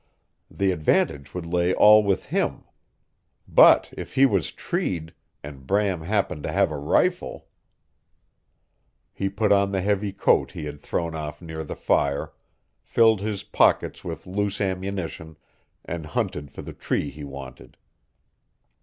The advantage would lay all with him. But if he was treed, and Bram happened to have a rifle He put on the heavy coat he had thrown off near the fire, filled his pockets with loose ammunition, and hunted for the tree he wanted.